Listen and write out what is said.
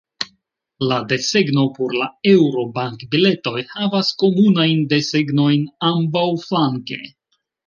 La desegno por la Eŭro-bankbiletoj havas komunajn desegnojn ambaŭflanke.